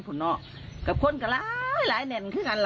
พ่อหลานจูง